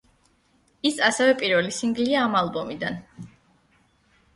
ის ასევე პირველი სინგლია ამ ალბომიდან.